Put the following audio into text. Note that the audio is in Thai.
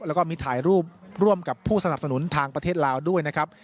แล้วก็มีถ่ายรูปร่วมกับผู้สนับสนุนทางประเทศลาวด้วยนะครับ